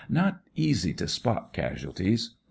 Not easy to spot casualties.